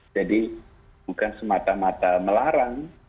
jadi bukan semata mata melarang